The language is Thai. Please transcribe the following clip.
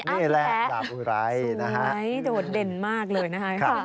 นี่แหละดาบอุรัยนะครับสวยโดดเด่นมากเลยนะครับค่ะค่ะ